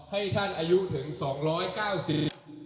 ให้ท่านอายุถึง๒๙๔๐บาท